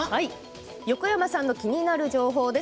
横山さんの気になる情報です。